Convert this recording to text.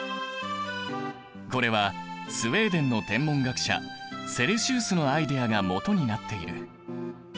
これはスウェーデンの天文学者セルシウスのアイデアがもとになっている。